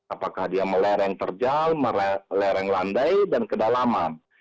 apakah dia melereng terjal melereng landai dan kedalaman